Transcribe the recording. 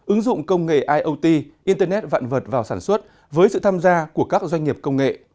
ứng dụng công nghệ iot internet vạn vật vào sản xuất với sự tham gia của các doanh nghiệp công nghệ